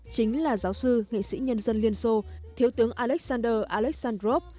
chính là giáo sư nghệ sĩ nhân dân liên xô thiếu tướng alexander alexandrov